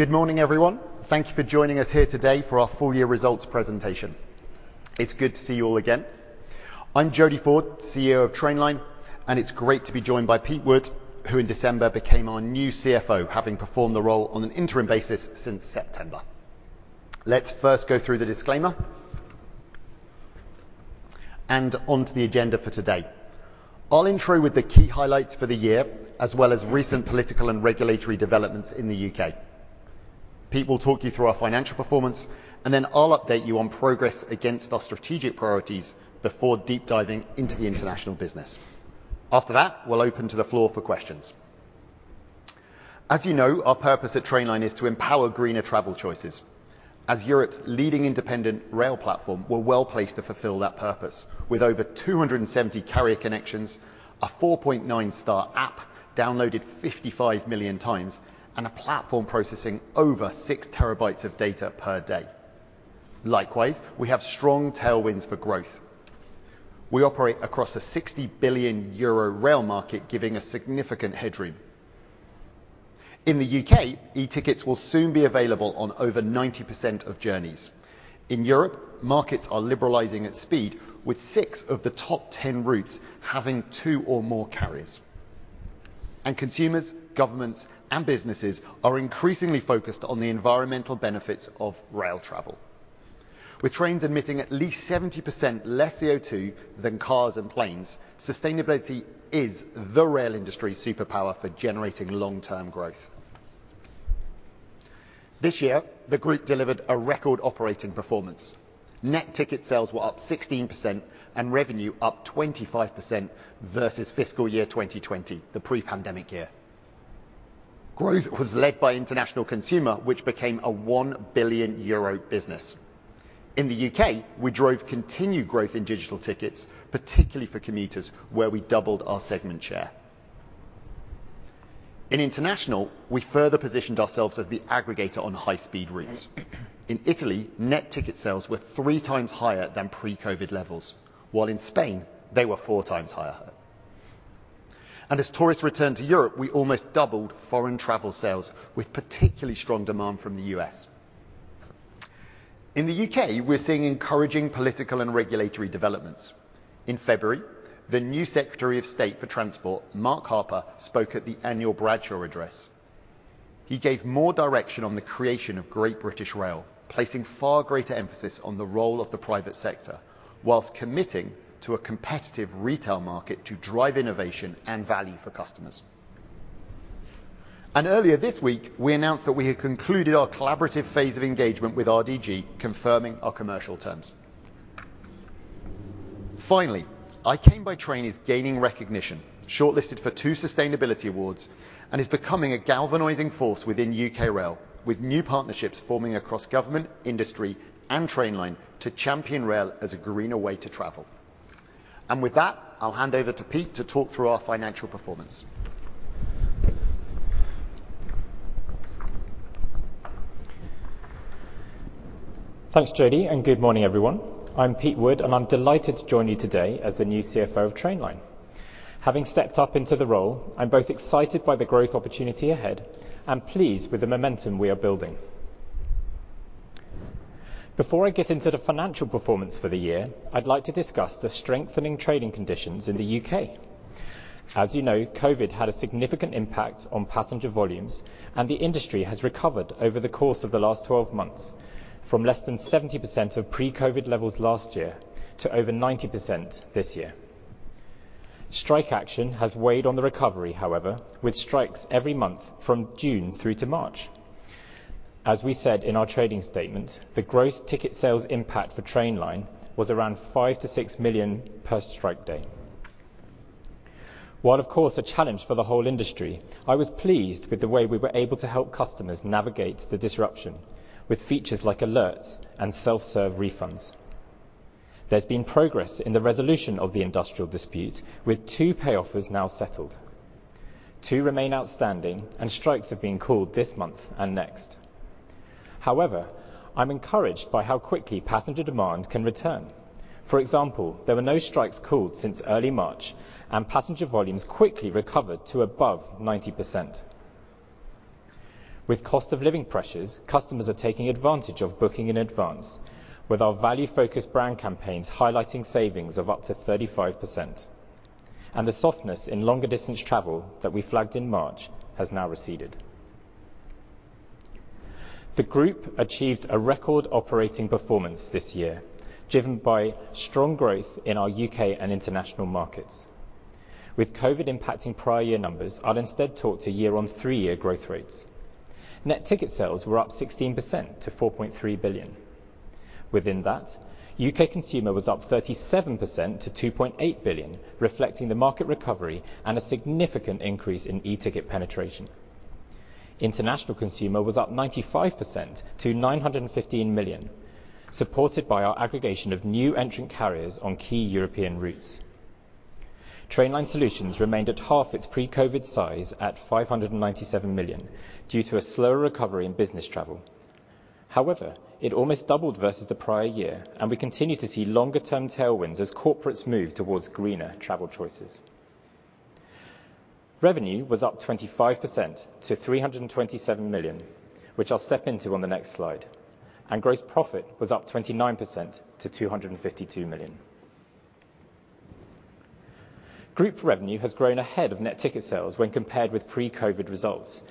Good morning, everyone. Thank you for joining us here today for our Full Year Results presentation. It's good to see you all again. I'm Jody Ford, CEO of Trainline, and it's great to be joined by Pete Wood, who in December became our new CFO, having performed the role on an interim basis since September. Let's first go through the disclaimer and onto the agenda for today. I'll intro with the key highlights for the year, as well as recent political and regulatory developments in the UK. Pete will talk you through our financial performance, and then I'll update you on progress against our strategic priorities before deep diving into the international business. After that, we'll open to the floor for questions. As you know, our purpose at Trainline is to empower greener travel choices. As Europe's leading independent rail platform, we're well-placed to fulfill that purpose. With over 270 carrier connections, a 4.9 star app downloaded 55 million times, and a platform processing over 6TB of data per day. Likewise, we have strong tailwinds for growth. We operate across a 60 billion euro rail market, giving a significant headroom. In the U.K., etickets will soon be available on over 90% of journeys. In Europe, markets are liberalizing at speed, with six of the top 10 routes having two or more carriers. Consumers, governments, and businesses are increasingly focused on the environmental benefits of rail travel. With trains emitting at least 70% less CO2 than cars and planes, sustainability is the rail industry's superpower for generating long-term growth. This year, the group delivered a record operating performance. net ticket sales were up 16% and revenue up 25% versus fiscal year 2020, the pre-pandemic year. Growth was led by international consumer, which became a 1 billion euro business. In the UK, we drove continued growth in digital tickets, particularly for commuters, where we doubled our segment share. In international, we further positioned ourselves as the aggregator on high speed routes. In Italy, net ticket sales were 3x higher than pre-COVID levels, while in Spain, they were 4x higher. As tourists returned to Europe, we almost doubled foreign travel sales with particularly strong demand from the US. In the UK, we're seeing encouraging political and regulatory developments. In February, the new Secretary of State for Transport, Mark Harper, spoke at the annual Bradshaw Address. He gave more direction on the creation of Great British Rail, placing far greater emphasis on the role of the private sector whilst committing to a competitive retail market to drive innovation and value for customers. Earlier this week, we announced that we had concluded our collaborative phase of engagement with RDG, confirming our commercial terms. Finally, I Came By Train as gaining recognition, shortlisted for two sustainability awards, and is becoming a galvanizing force within UK Rail, with new partnerships forming across government, industry, and Trainline to champion rail as a greener way to travel. With that, I'll hand over to Pete to talk through our financial performance. Thanks, Jody, good morning, everyone. I'm Pete Wood, I'm delighted to join you today as the new CFO of Trainline. Having stepped up into the role, I'm both excited by the growth opportunity ahead and pleased with the momentum we are building. Before I get into the financial performance for the year, I'd like to discuss the strengthening trading conditions in the U.K. As you know, COVID had a significant impact on passenger volumes, the industry has recovered over the course of the last 12 months from less than 70% of pre-COVID levels last year to over 90% this year. Strike action has weighed on the recovery, however, with strikes every month from June through to March. As we said in our trading statement, the gross ticket sales impact for Trainline was around 5 million-6 million per strike day. While, of course, a challenge for the whole industry, I was pleased with the way we were able to help customers navigate the disruption with features like alerts and self-serve refunds. There's been progress in the resolution of the industrial dispute with two pay offers now settled. Two remain outstanding, and strikes have been called this month and next. I'm encouraged by how quickly passenger demand can return. For example, there were no strikes called since early March, and passenger volumes quickly recovered to above 90%. With cost of living pressures, customers are taking advantage of booking in advance with our value focus brand campaigns highlighting savings of up to 35%, and the softness in longer distance travel that we flagged in March has now receded. The group achieved a record operating performance this year, driven by strong growth in our UK and international markets. With COVID impacting prior year numbers, I'd instead talk to year on three-year growth rates. Net ticket sales were up 16% to 4.3 billion. Within that, UK consumer was up 37% to GBP 2.8 billion, reflecting the market recovery and a significant increase in eticket penetration. International consumer was up 95% to 915 million, supported by our aggregation of new entrant carriers on key European routes. Trainline Solutions remained at half its pre-COVID size at 597 million due to a slower recovery in business travel. It almost doubled versus the prior year, and we continue to see longer term tailwinds as corporates move towards greener travel choices. Revenue was up 25% to 327 million, which I'll step into on the next slide. Gross profit was up 29% to 252 million. Group revenue has grown ahead of net ticket sales when compared with pre-COVID results,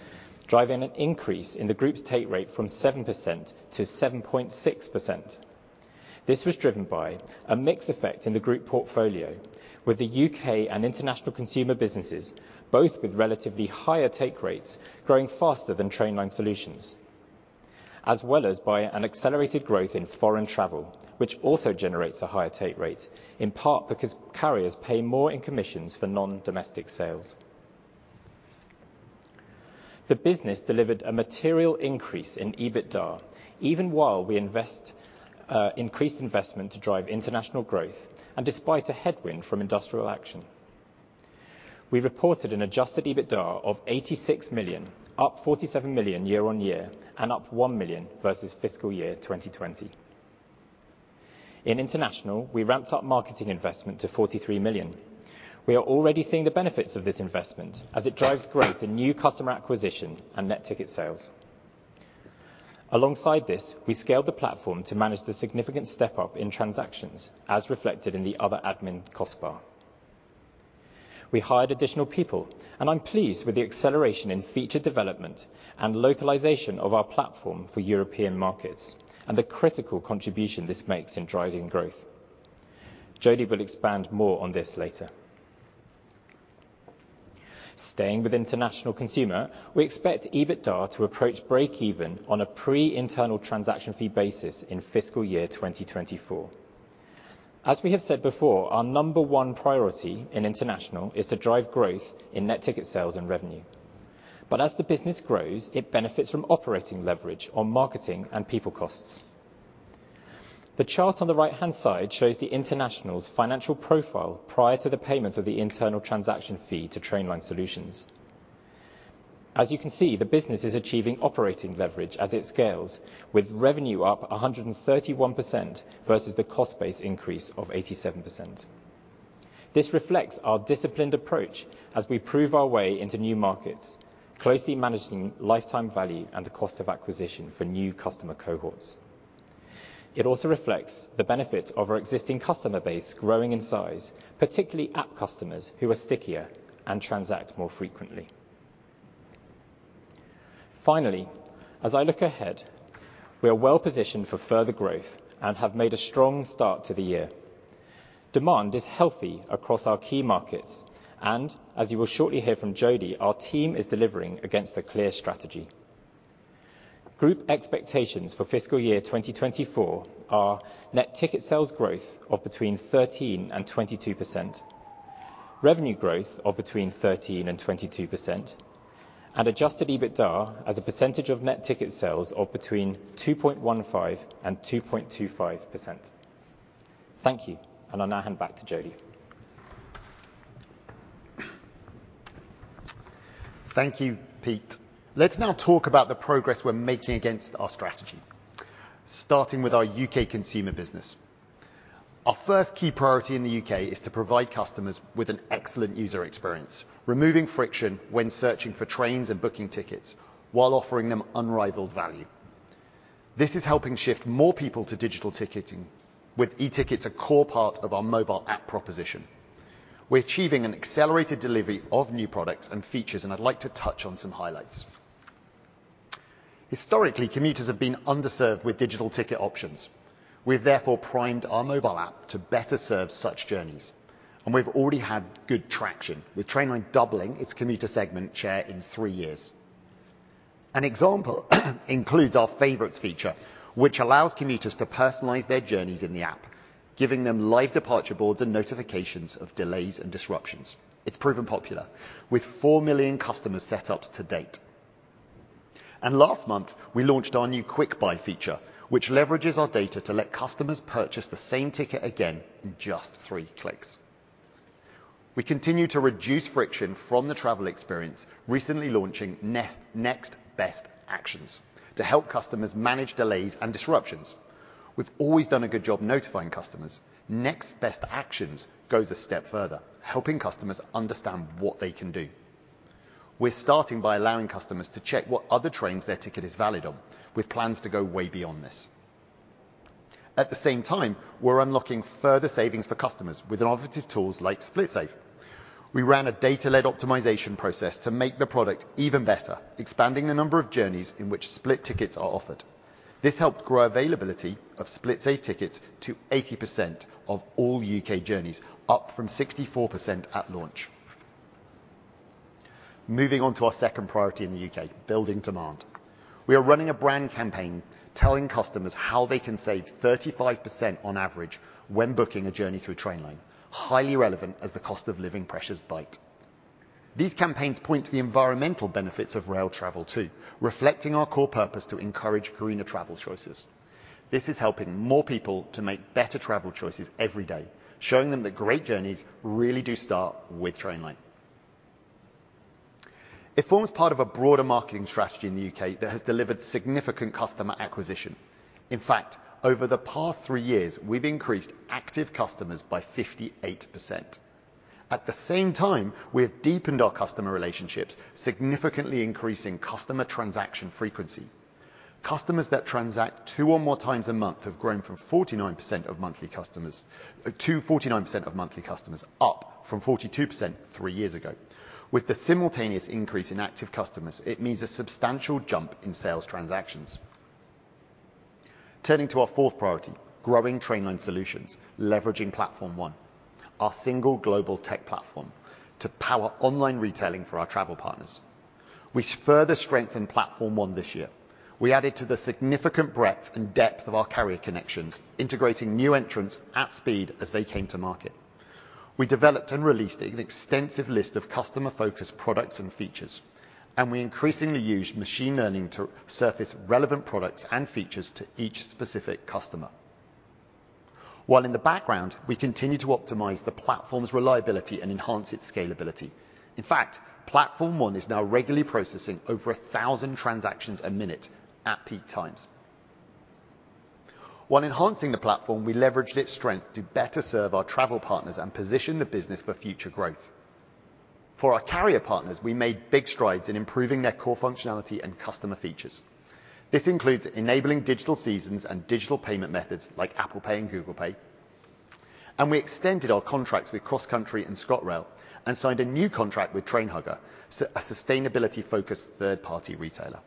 driving an increase in the group's take rate from 7% to 7.6%. This was driven by a mix effect in the group portfolio with the U.K. and international consumer businesses, both with relatively higher take rates growing faster than Trainline Solutions, as well as by an accelerated growth in foreign travel, which also generates a higher take rate, in part because carriers pay more in commissions for non-domestic sales. The business delivered a material increase in EBITDA even while we invest increased investment to drive international growth and despite a headwind from industrial action. We reported an adjusted EBITDA of 86 million, up 47 million year-on-year, and up 1 million versus fiscal year 2020. In international, we ramped up marketing investment to 43 million. We are already seeing the benefits of this investment as it drives growth in new customer acquisition and net ticket sales. Alongside this, we scaled the platform to manage the significant step up in transactions as reflected in the other admin cost bar. We hired additional people. I'm pleased with the acceleration in feature development and localization of our platform for European markets and the critical contribution this makes in driving growth. Jody will expand more on this later. Staying with international consumer, we expect EBITDA to approach breakeven on a pre-internal transaction fee basis in fiscal year 2024. As we have said before, our number one priority in international is to drive growth in net ticket sales and revenue. As the business grows, it benefits from operating leverage on marketing and people costs. The chart on the right-hand side shows the international's financial profile prior to the payment of the internal transaction fee to Trainline Solutions. As you can see, the business is achieving operating leverage as it scales, with revenue up 131% versus the cost base increase of 87%. This reflects our disciplined approach as we prove our way into new markets, closely managing lifetime value and the cost of acquisition for new customer cohorts. It also reflects the benefit of our existing customer base growing in size, particularly app customers who are stickier and transact more frequently. Finally, as I look ahead, we are well positioned for further growth and have made a strong start to the year. Demand is healthy across our key markets, and as you will shortly hear from Jody, our team is delivering against a clear strategy. Group expectations for fiscal year 2024 are net ticket sales growth of between 13% and 22%, revenue growth of between 13% and 22%, and adjusted EBITDA as a percentage of net ticket sales of between 2.15% and 2.25%. Thank you. I'll now hand back to Jody. Thank you, Pete. Let's now talk about the progress we're making against our strategy, starting with our U.K. consumer business. Our first key priority in the U.K. is to provide customers with an excellent user experience, removing friction when searching for trains and booking tickets while offering them unrivaled value. This is helping shift more people to digital ticketing with etickets a core part of our mobile app proposition. We're achieving an accelerated delivery of new products and features, and I'd like to touch on some highlights. Historically, commuters have been underserved with digital ticket options. We've therefore primed our mobile app to better serve such journeys, and we've already had good traction, with Trainline doubling its commuter segment share in three years. An example includes our Favourites feature, which allows commuters to personalize their journeys in the app, giving them live departure boards and notifications of delays and disruptions. It's proven popular with 4 million customers set up to date. Last month, we launched our new Quick Buy feature, which leverages our data to let customers purchase the same ticket again in just 3 clicks. We continue to reduce friction from the travel experience recently launching Next Best Actions to help customers manage delays and disruptions. We've always done a good job notifying customers. Next Best Actions goes a step further, helping customers understand what they can do. We're starting by allowing customers to check what other trains their ticket is valid on, with plans to go way beyond this. At the same time, we're unlocking further savings for customers with innovative tools like SplitSave. We ran a data-led optimization process to make the product even better, expanding the number of journeys in which split tickets are offered. This helped grow availability of SplitSave tickets to 80% of all UK journeys, up from 64% at launch. Moving on to our second priority in the UK, building demand. We are running a brand campaign telling customers how they can save 35% on average when booking a journey through Trainline, highly relevant as the cost of living pressures bite. These campaigns point to the environmental benefits of rail travel too, reflecting our core purpose to encourage greener travel choices. This is helping more people to make better travel choices every day, showing them that great journeys really do start with Trainline. It forms part of a broader marketing strategy in the UK that has delivered significant customer acquisition. In fact, over the past three years, we've increased active customers by 58%. At the same time, we have deepened our customer relationships, significantly increasing customer transaction frequency. Customers that transact two or more times a month have grown to 49% of monthly customers, up from 42% three years ago. With the simultaneous increase in active customers, it means a substantial jump in sales transactions. Turning to our fourth priority, growing Trainline Solutions, leveraging Platform One, our single global tech platform to power online retailing for our travel partners. We further strengthened Platform One this year. We added to the significant breadth and depth of our carrier connections, integrating new entrants at speed as they came to market. We developed and released an extensive list of customer-focused products and features, and we increasingly used machine learning to surface relevant products and features to each specific customer. While in the background, we continue to optimize the platform's reliability and enhance its scalability. In fact, Platform One is now regularly processing over 1,000 transactions a minute at peak times. While enhancing the platform, we leveraged its strength to better serve our travel partners and position the business for future growth. For our carrier partners, we made big strides in improving their core functionality and customer features. This includes enabling digital seasons and digital payment methods like Apple Pay and Google Pay. We extended our contracts with CrossCountry and ScotRail and signed a new contract with Trainhugger, a sustainability-focused third-party retailer.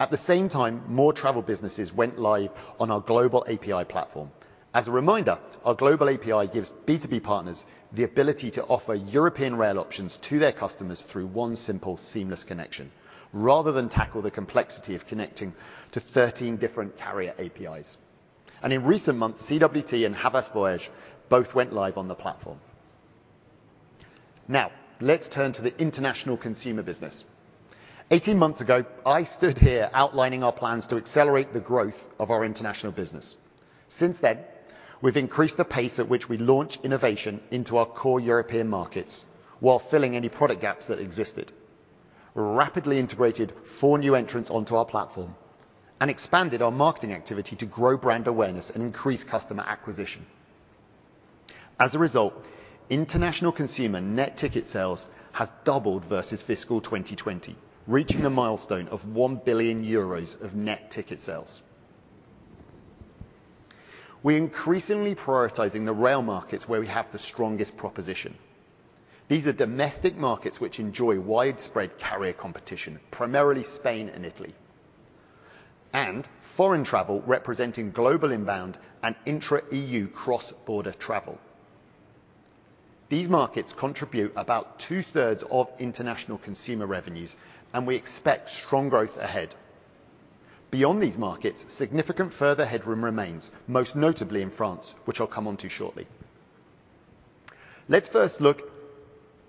At the same time, more travel businesses went live on our Global API platform. As a reminder, our Global API gives B2B partners the ability to offer European rail options to their customers through one simple seamless connection, rather than tackle the complexity of connecting to 13 different carrier APIs. In recent months, CWT and Havas Voyages both went live on the platform. Let's turn to the international consumer business. 18 months ago, I stood here outlining our plans to accelerate the growth of our international business. We've increased the pace at which we launch innovation into our core European markets while filling any product gaps that existed, rapidly integrated four new entrants onto our platform, and expanded our marketing activity to grow brand awareness and increase customer acquisition. International consumer net ticket sales has doubled versus fiscal 2020, reaching a milestone of 1 billion euros of net ticket sales. We're increasingly prioritizing the rail markets where we have the strongest proposition. These are domestic markets which enjoy widespread carrier competition, primarily Spain and Italy, and foreign travel representing global inbound and intra-EU cross-border travel. These markets contribute about two-thirds of international consumer revenues, and we expect strong growth ahead. Beyond these markets, significant further headroom remains, most notably in France, which I'll come onto shortly. Let's first look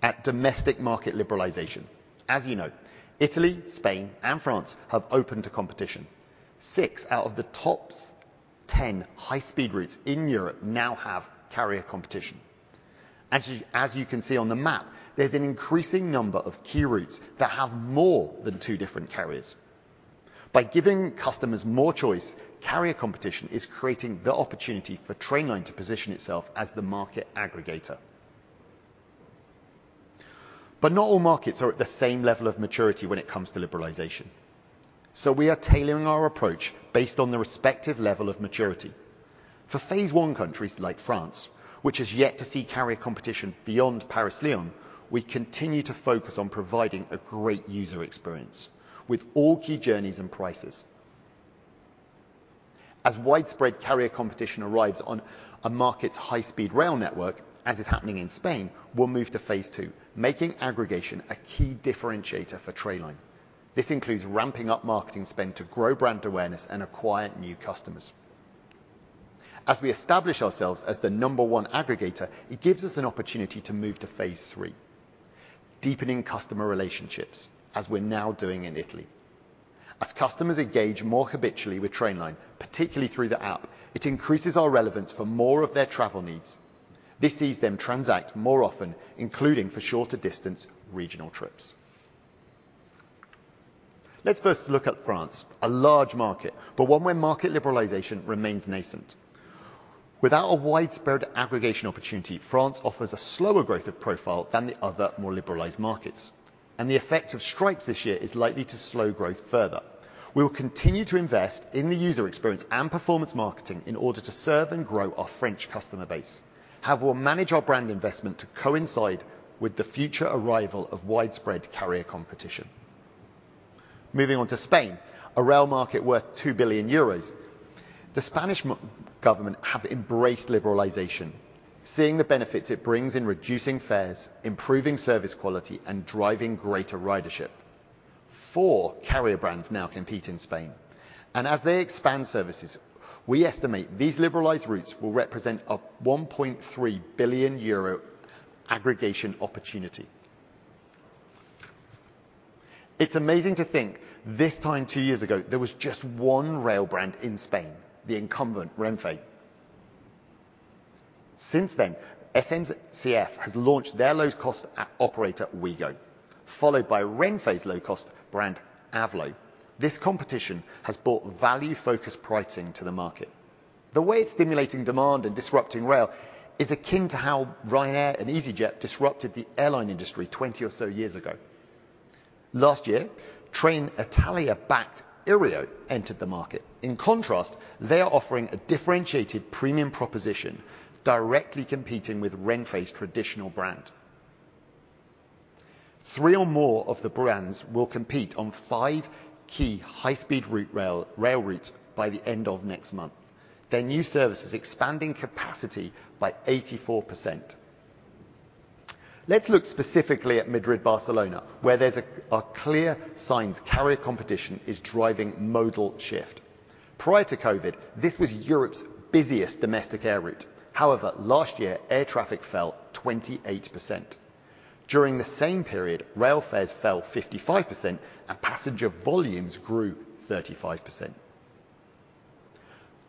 at domestic market liberalization. As you know, Italy, Spain, and France have opened to competition. Six out of the top 10 high-speed routes in Europe now have carrier competition. Actually, as you can see on the map, there's an increasing number of key routes that have more than two different carriers. By giving customers more choice, carrier competition is creating the opportunity for Trainline to position itself as the market aggregator. Not all markets are at the same level of maturity when it comes to liberalization. We are tailoring our approach based on the respective level of maturity. For phase one countries like France, which is yet to see carrier competition beyond Paris-Lyon, we continue to focus on providing a great user experience with all key journeys and prices. As widespread carrier competition arrives on a market's high-speed rail network, as is happening in Spain, we'll move to phase two, making aggregation a key differentiator for Trainline. This includes ramping up marketing spend to grow brand awareness and acquire new customers. As we establish ourselves as the number one aggregator, it gives us an opportunity to move to phase three, deepening customer relationships, as we're now doing in Italy. As customers engage more habitually with Trainline, particularly through the app, it increases our relevance for more of their travel needs. This sees them transact more often, including for shorter distance regional trips. Let's first look at France, a large market, but one where market liberalization remains nascent. Without a widespread aggregation opportunity, France offers a slower growth of profile than the other more liberalized markets, the effect of strikes this year is likely to slow growth further. We will continue to invest in the user experience and performance marketing in order to serve and grow our French customer base. However, manage our brand investment to coincide with the future arrival of widespread carrier competition. Moving on to Spain, a rail market worth 2 billion euros. The Spanish government have embraced liberalization, seeing the benefits it brings in reducing fares, improving service quality, and driving greater ridership. Four carrier brands now compete in Spain, as they expand services, we estimate these liberalized routes will represent a 1.3 billion euro aggregation opportunity. It's amazing to think this time two years ago, there was just one rail brand in Spain, the incumbent, Renfe. Since then, SNCF has launched their low cost operator, Ouigo, followed by Renfe's low cost brand, Avlo. This competition has brought value-focused pricing to the market. The way it's stimulating demand and disrupting rail is akin to how Ryanair and easyJet disrupted the airline industry 20 or so years ago. Last year, Trenitalia-backed iryo entered the market. In contrast, they are offering a differentiated premium proposition directly competing with Renfe's traditional brand. Three or more of the brands will compete on five key high speed rail routes by the end of next month. Their new service is expanding capacity by 84%. Let's look specifically at Madrid-Barcelona, where there's a clear signs carrier competition is driving modal shift. Prior to COVID, this was Europe's busiest domestic air route. However, last year, air traffic fell 28%. During the same period, rail fares fell 55% and passenger volumes grew 35%.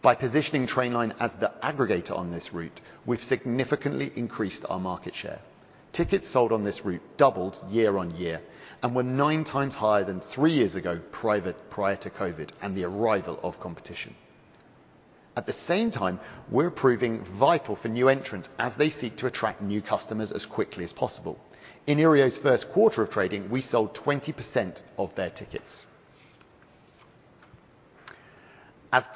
By positioning Trainline as the aggregator on this route, we've significantly increased our market share. Tickets sold on this route doubled year on year and were 9x higher than three years ago private prior to COVID and the arrival of competition. At the same time, we're proving vital for new entrants as they seek to attract new customers as quickly as possible. In iryo's first quarter of trading, we sold 20% of their tickets. As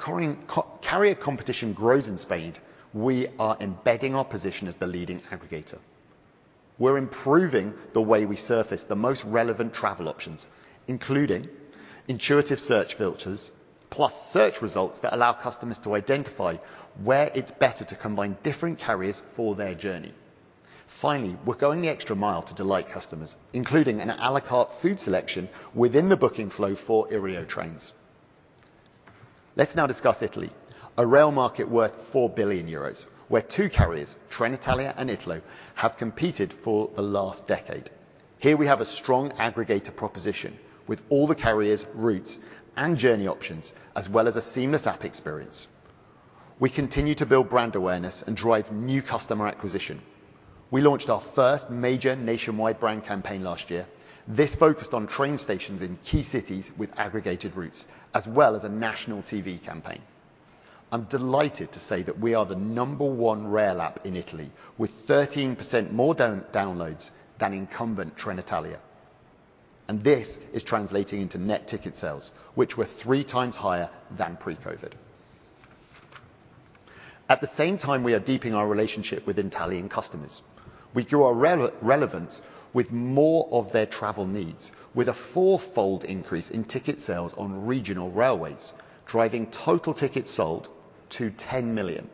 carrier competition grows in Spain, we are embedding our position as the leading aggregator. We're improving the way we surface the most relevant travel options, including intuitive search filters, plus search results that allow customers to identify where it's better to combine different carriers for their journey. Finally, we're going the extra mile to delight customers, including an à la carte food selection within the booking flow for Iryo trains. Let's now discuss Italy, a rail market worth 4 billion euros, where two carriers, Trenitalia and Italo, have competed for the last decade. Here we have a strong aggregator proposition with all the carriers, routes, and journey options, as well as a seamless app experience. We continue to build brand awareness and drive new customer acquisition. We launched our first major nationwide brand campaign last year. This focused on train stations in key cities with aggregated routes, as well as a national TV campaign. I'm delighted to say that we are the number one rail app in Italy, with 13% more down-downloads than incumbent Trenitalia. This is translating into net ticket sales, which were 3x higher than pre-COVID. At the same time, we are deepening our relationship with Italian customers. We grew our relevance with more of their travel needs with a four-fold increase in ticket sales on regional railways, driving total tickets sold to 10 million.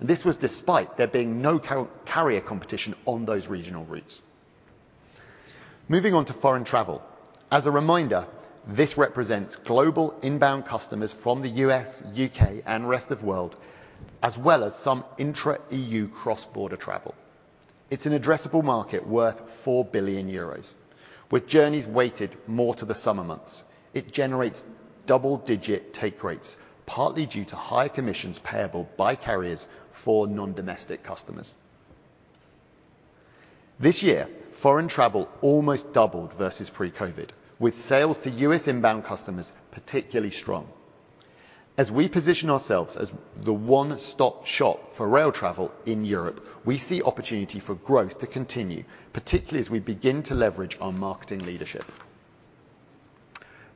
This was despite there being no car-carrier competition on those regional routes. Moving on to foreign travel. As a reminder, this represents global inbound customers from the U.S., U.K., and rest of world, as well as some intra-EU cross-border travel. It's an addressable market worth 4 billion euros. With journeys weighted more to the summer months, it generates double-digit take rates, partly due to higher commissions payable by carriers for non-domestic customers. This year, foreign travel almost doubled versus pre-COVID, with sales to U.S. inbound customers particularly strong. As we position ourselves as the one-stop shop for rail travel in Europe, we see opportunity for growth to continue, particularly as we begin to leverage our marketing leadership.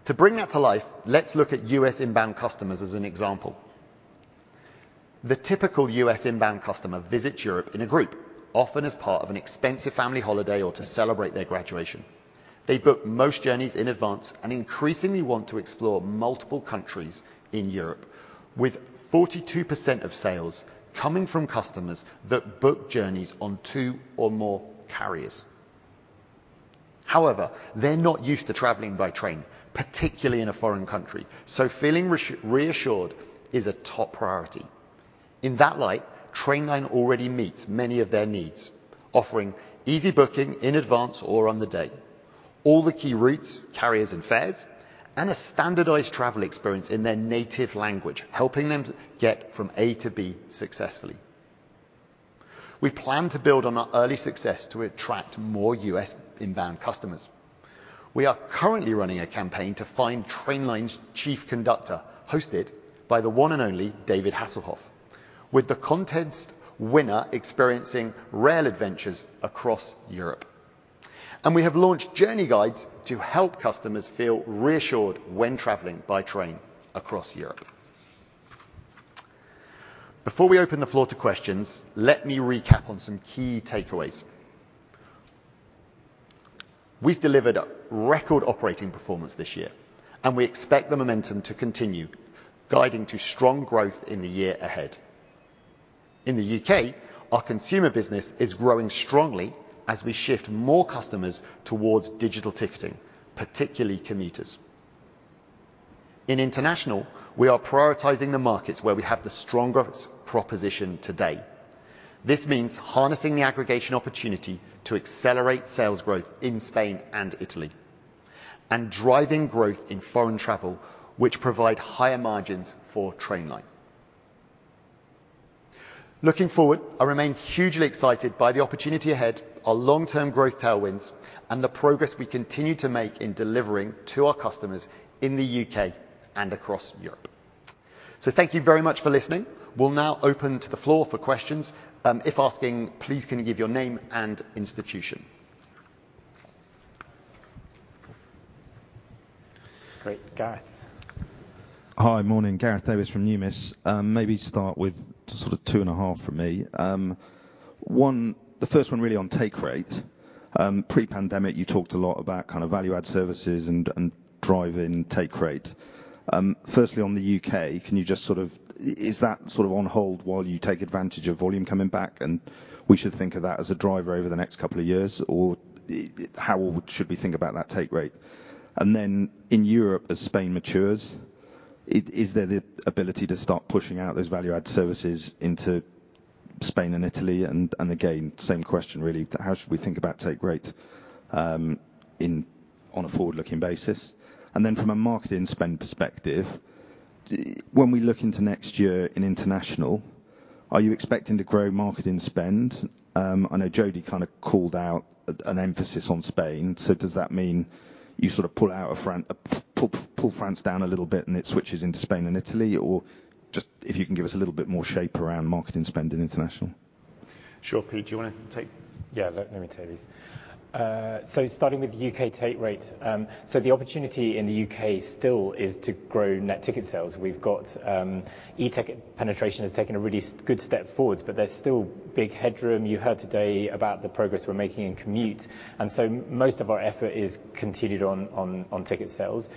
To bring that to life, let's look at U.S. inbound customers as an example. The typical U.S. inbound customer visits Europe in a group, often as part of an expensive family holiday or to celebrate their graduation. They book most journeys in advance and increasingly want to explore multiple countries in Europe, with 42% of sales coming from customers that book journeys on two or more carriers. They're not used to traveling by train, particularly in a foreign country, so feeling reassured is a top priority. In that light, Trainline already meets many of their needs, offering easy booking in advance or on the day. All the key routes, carriers and fares, and a standardized travel experience in their native language, helping them to get from A to B successfully. We plan to build on our early success to attract more U.S. inbound customers. We are currently running a campaign to find Trainline's chief conductor, hosted by the one and only David Hasselhoff, with the contest winner experiencing rail adventures across Europe. We have launched journey guides to help customers feel reassured when traveling by train across Europe. Before we open the floor to questions, let me recap on some key takeaways. We've delivered a record operating performance this year, and we expect the momentum to continue guiding to strong growth in the year ahead. In the U.K., our consumer business is growing strongly as we shift more customers towards digital ticketing, particularly commuters. In international, we are prioritizing the markets where we have the strongest proposition today. This means harnessing the aggregation opportunity to accelerate sales growth in Spain and Italy. Driving growth in foreign travel, which provide higher margins for Trainline. Looking forward, I remain hugely excited by the opportunity ahead, our long-term growth tailwinds, and the progress we continue to make in delivering to our customers in the UK and across Europe. Thank you very much for listening. We'll now open to the floor for questions. If asking, please can you give your name and institution? Great. Gareth. Hi. Morning. Gareth Davies from Numis. Maybe start with sort of two and a half from me. One, the first one really on take rate. Pre-pandemic, you talked a lot about kind of value-add services and driving take rate. Firstly on the U.K., can you just sort of is that sort of on hold while you take advantage of volume coming back, and we should think of that as a driver over the next two years or how should we think about that take rate? Then in Europe, as Spain matures, is there the ability to start pushing out those value-add services into Spain and Italy? Again, same question really. How should we think about take rate, in, on a forward-looking basis? From a marketing spend perspective, when we look into next year in international, are you expecting to grow marketing spend? I know Jody kind of called out an emphasis on Spain, so does that mean you sort of pull out of France down a little bit and it switches into Spain and Italy, or just if you can give us a little bit more shape around marketing spend in international? Sure. Pete, do you wan to take? Yeah. Let me take these. Starting with UK take rate. The opportunity in the UK still is to grow net ticket sales. We've got eticket penetration has taken a really good step forwards, but there's still big headroom. You heard today about the progress we're making in commute. Most of our effort is continued on ticket sales.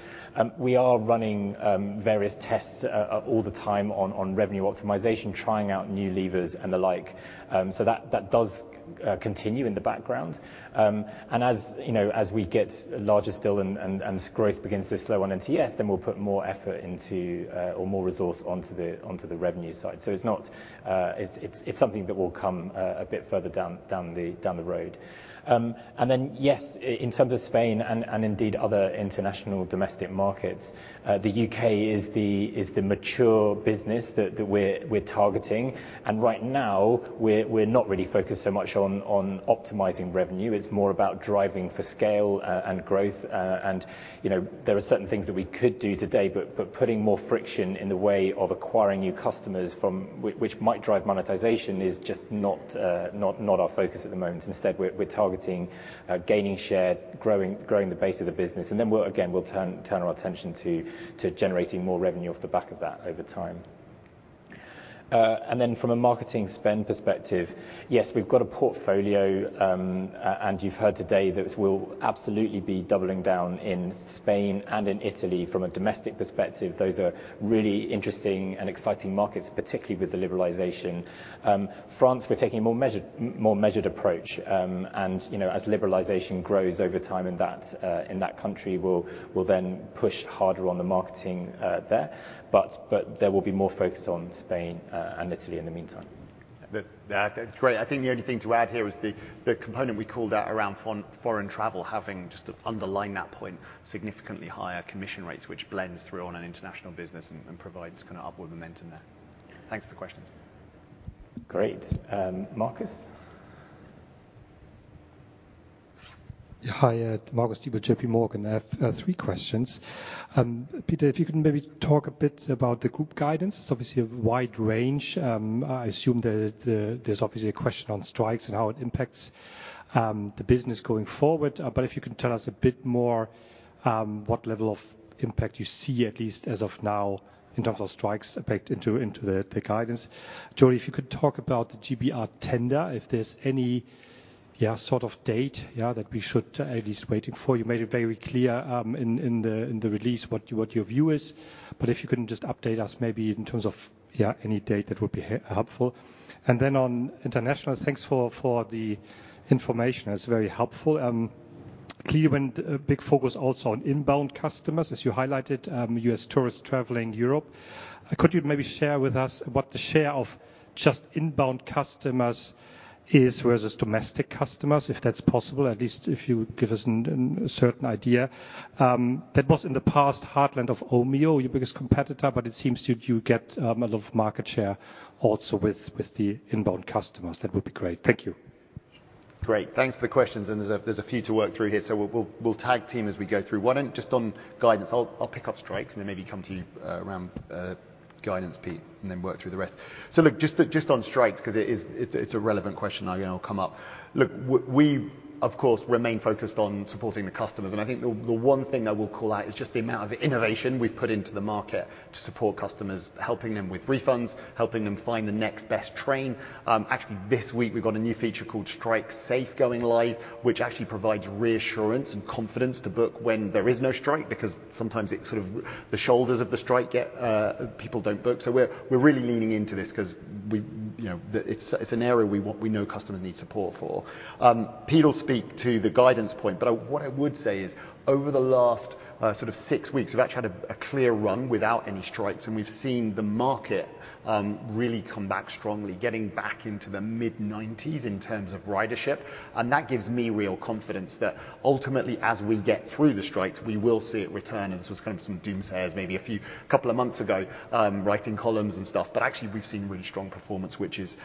We are running various tests all the time on revenue optimization, trying out new levers and the like. That does continue in the background. As, you know, as we get larger still and growth begins to slow on NTS, then we'll put more effort or more resource onto the revenue side. It's not. It's something that will come a bit further down the road. Then, yes, in terms of Spain and indeed other international domestic markets, the UK is the mature business that we're targeting. Right now we're not really focused so much on optimizing revenue. It's more about driving for scale and growth. You know, there are certain things that we could do today. Putting more friction in the way of acquiring new customers from which might drive monetization is just not our focus at the moment. Instead, we're targeting gaining share, growing the base of the business, and then we'll again turn our attention to generating more revenue off the back of that over time. Then from a marketing spend perspective, yes, we've got a portfolio, and you've heard today that we'll absolutely be doubling down in Spain and in Italy. From a domestic perspective, those are really interesting and exciting markets, particularly with the liberalization. France, we're taking a more measured approach. You know, as liberalization grows over time in that country, we'll then push harder on the marketing there. There will be more focus on Spain and Italy in the meantime. That's great. I think the only thing to add here is the component we called out around foreign travel, having, just to underline that point, significantly higher commission rates, which blends through on an international business and provides kind of upward momentum there. Thanks for the questions. Great. Marcus. Hi. Marcus Diebel, J.P. Morgan. I have three questions. Pete, if you could maybe talk a bit about the group guidance. It's obviously a wide range. I assume that there's obviously a question on strikes and how it impacts the business going forward. But if you could tell us a bit more, what level of impact you see, at least as of now, in terms of strikes impact into the guidance. Jody, if you could talk about the GBR tender, if there's any sort of date that we should at least waiting for. You made it very clear in the release what your view is. If you can just update us maybe in terms of any date, that would be helpful. On international, thanks for the information. That's very helpful. Clearly when a big focus also on inbound customers, as you highlighted, U.S. tourists traveling Europe. Could you maybe share with us what the share of just inbound customers is versus domestic customers, if that's possible? At least if you give us a certain idea. That was in the past heartland of Omio, your biggest competitor, but it seems you do get a lot of market share also with the inbound customers. That would be great. Thank you. Great. Thanks for the questions. There's a few to work through here, so we'll tag team as we go through. Why don't... Just on guidance, I'll pick up strikes and then maybe come to you around guidance, Pete, and then work through the rest. Look, just on strikes because it is, it's a relevant question. I know it'll come up. Look, we of course remain focused on supporting the customers, and I think the one thing that we'll call out is just the amount of innovation we've put into the market to support customers, helping them with refunds, helping them find the next best train. Actually, this week we've got a new feature called Strike Safe going live, which actually provides reassurance and confidence to book when there is no strike, because sometimes the shoulders of the strike get people don't book. We're really leaning into this 'cause we, you know, it's an area we want, we know customers need support for. Pete will speak to the guidance point, but what I would say is over the last sort of six weeks, we've actually had a clear run without any strikes and we've seen the market really come back strongly, getting back into the mid-nineties in terms of ridership. That gives me real confidence that ultimately, as we get through the strikes, we will see it return. There was kind of some doomsayers maybe a few, couple of months ago, writing columns and stuff. Actually we've seen really strong performance, which is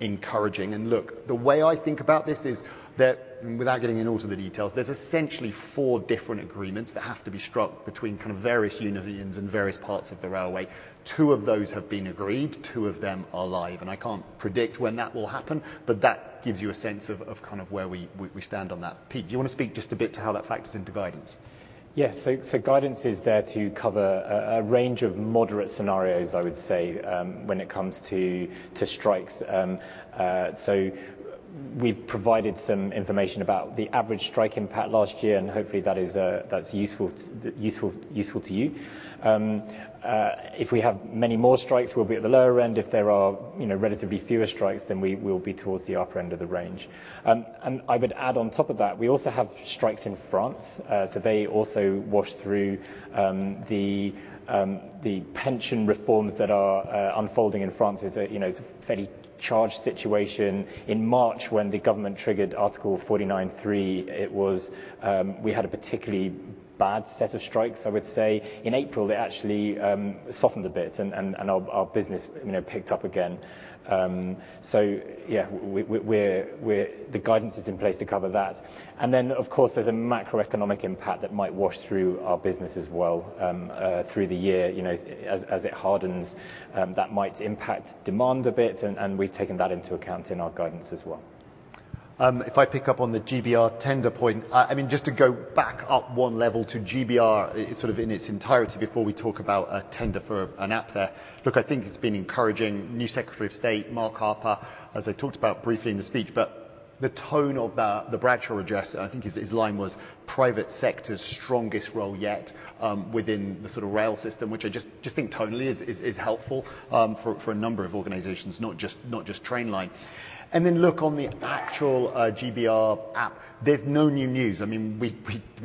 encouraging. Look, the way I think about this is that, without getting into all of the details, there's essentially four different agreements that have to be struck between kind of various unions and various parts of the railway. Two of those have been agreed, two of them are live, and I can't predict when that will happen. That gives you a sense of kind of where we stand on that. Pete, do you want to speak just a bit to how that factors into guidance? Yes. Guidance is there to cover a range of moderate scenarios, I would say, when it comes to strikes. We've provided some information about the average strike impact last year, and hopefully that is that's useful to you. If we have many more strikes, we'll be at the lower end. If there are, you know, relatively fewer strikes, we'll be towards the upper end of the range. I would add on top of that, we also have strikes in France. They also wash through the pension reforms that are unfolding in France is a, you know, fairly charged situation. In March when the government triggered Article 49.3, we had a particularly bad set of strikes, I would say. In April, they actually softened a bit and our business, you know, picked up again. Yeah, we're the guidance is in place to cover that. Of course, there's a macroeconomic impact that might wash through our business as well, through the year, you know, as it hardens, that might impact demand a bit and we've taken that into account in our guidance as well. If I pick up on the GBR tender point, I mean, just to go back up one level to GBR, sort of in its entirety before we talk about a tender for an app there. Look, I think it's been encouraging new Secretary of State, Mark Harper, as I talked about briefly in the speech, but the tone of the Bradshaw Address, I think his line was private sector's strongest role yet, within the sort of rail system, which I just think tonally is helpful, for a number of organizations, not just Trainline. Look on the actual GBR app. There's no new news. I mean, we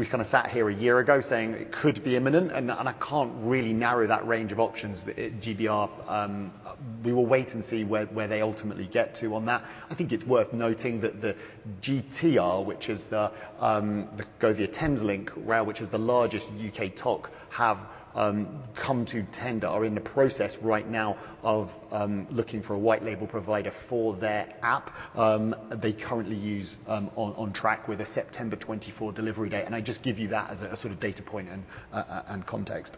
kind of sat here a year ago saying it could be imminent and I can't really narrow that range of options that GBR, we will wait and see where they ultimately get to on that. I think it's worth noting that the GTR, which is the Govia Thameslink Railway, which is the largest UK TOC have come to tender, are in the process right now of looking for a white label provider for their app, they currently use on track with a September 2024 delivery date. I just give you that as a sort of data point and context.